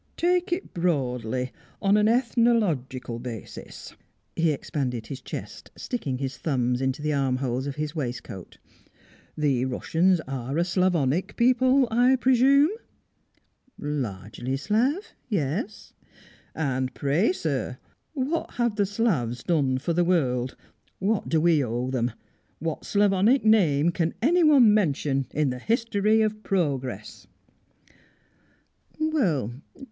Take it broadly, on an ethnological basis." He expanded his chest, sticking his thumbs into the armholes of his waistcoat. "The Russians are a Slavonic people, I presume?" "Largely Slav, yes." "And pray, sir, what have the Slavs done for the world? What do we owe them? What Slavonic name can anyone mention in the history of progress?"